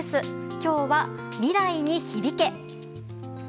今日は、未来に響け！